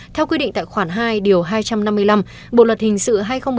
theo quy định tại khoản hai điều hai trăm năm mươi năm bộ luật hình sự hai nghìn một mươi năm